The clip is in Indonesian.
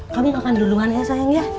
kami makan duluan ya sayang ya